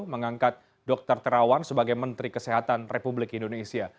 mengangkat dr terawan sebagai menteri kesehatan republik indonesia